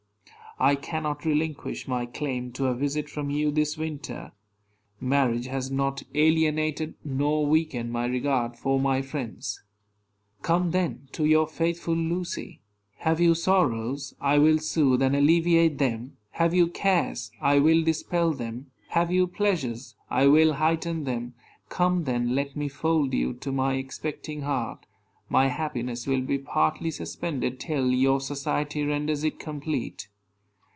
I cannot relinquish my claim to a visit from you this winter. Marriage has not alienated nor weakened my regard for my friends. Come, then, to your faithful Lucy. Have you sorrows? I will soothe and alleviate them. Have you cares? I will dispel them. Have you pleasures? I will heighten them. Come, then, let me fold you to my expecting heart. My happiness will be partly suspended till your society renders it complete.